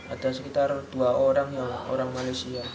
ada sekitar dua orang ya orang malaysia